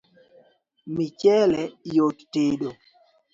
Michele yot tedo